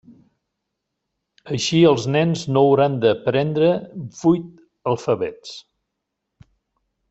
Així els nens no hauran d'aprendre vuit alfabets.